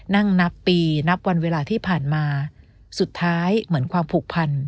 นับปีนับวันเวลาที่ผ่านมาสุดท้ายเหมือนความผูกพัน